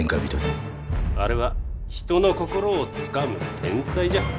あれは人の心をつかむ天才じゃ。